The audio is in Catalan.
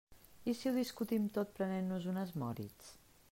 I si ho discutim tot prenent-nos unes Moritz?